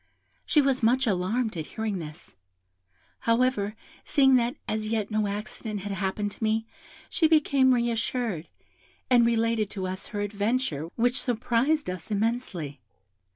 She was much alarmed at hearing this; however, seeing that as yet no accident had happened to me, she became re assured, and related to us her adventure, which surprised us immensely.